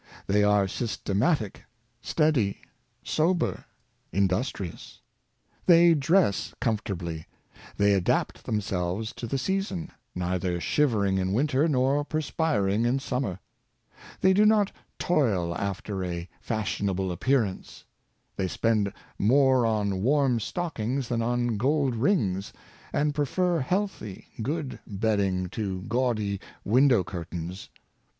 They are systematic, steady, sober, industrious. They dress comfortably. They adapt themselves to the season — neither shivering in winter, nor perspiring in summer. They do not toil after a '' fashionable appearance. ' They spend more on warm stockings than on gold rings, and prefer healthy, good bedding to gaudy window curtains.